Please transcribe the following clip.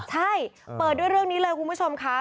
ใช่เปิดด้วยเรื่องนี้เลยคุณผู้ชมค่ะ